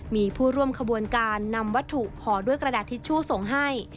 มีผู้ร่วมขบวนการนำวัตถุห่อด้วยกระดาษทิชชู่ส่งให้